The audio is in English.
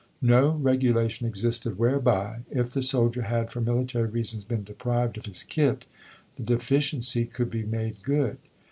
No regulation existed whereby, if the soldier had for military reasons been deprived of his kit, the deficiency could be made good.